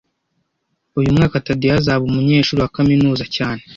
Uyu mwaka Tadeyo azaba umunyeshuri wa kaminuza cyane